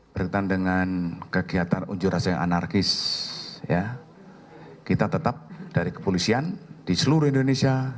berkaitan dengan kegiatan unjuk rasa yang anarkis kita tetap dari kepolisian di seluruh indonesia